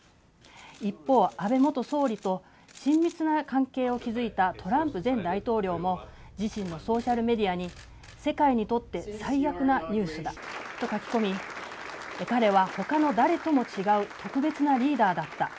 一方、安倍元総理と親密な関係を築いたトランプ前大統領も自身のソーシャルメディアに世界にとって最悪なニュースだと書き込み彼は他の誰とも違う特別なリーダーだった。